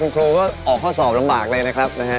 คุณครูก็ออกข้อสอบลำบากเลยนะครับนะฮะ